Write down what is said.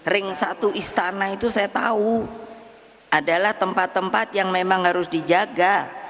ring satu istana itu saya tahu adalah tempat tempat yang memang harus dijaga